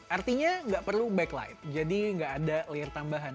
artinya nggak perlu backlight jadi nggak ada layer tambahan